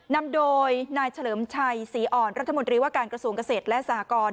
นำโดยนายเฉลิมชัยศรีอ่อนรัฐมนตรีว่าการกระทรวงเกษตรและสหกร